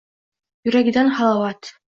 Yuragidan halovat.